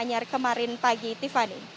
tanya kemarin pagi tiffany